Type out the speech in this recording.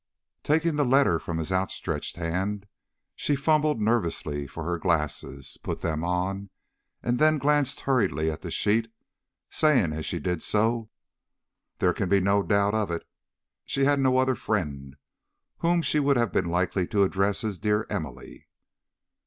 Taking the letter from his outstretched hand, she fumbled nervously for her glasses, put them on, and then glanced hurriedly at the sheet, saying as she did so: "There can be no doubt of it. She had no other friend whom she would have been likely to address as 'Dear Emily.'"